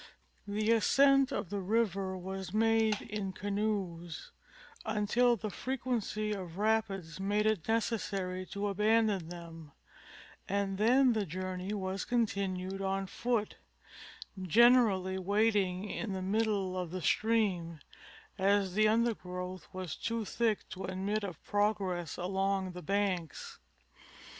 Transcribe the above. The ascent of the river was made in canoes until the frequency of rapids made it necessary to abandon them, and then the journey was continued on foot, gen erally wading in the middle of the stream, as the undergrowth was too thick to admit of progress along the banks.